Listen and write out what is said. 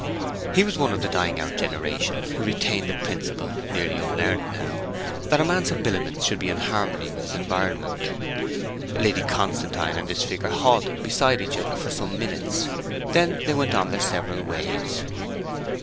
He was one of a dying out generation who retained the principle, nearly unlearnt now, that a man's habiliments should be in harmony with his environment. Lady Constantine and this figure halted beside each other for some minutes; then they went on their several ways.